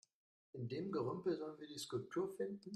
In dem Gerümpel sollen wir die Skulptur finden?